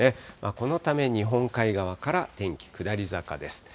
このため、日本海側から天気下り坂です。